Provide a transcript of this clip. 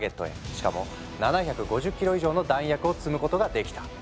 しかも７５０キロ以上の弾薬を積むことができた。